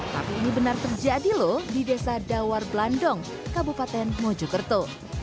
tapi ini benar terjadi loh di desa dawar blandong kabupaten mojokerto